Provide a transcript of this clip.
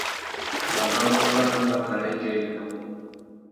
Mabarú fari mákànà i güeréménamú.